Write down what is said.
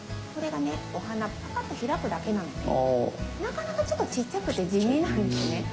これがねお花パカッと開くだけなのでなかなかちょっとちっちゃくて地味なんですね。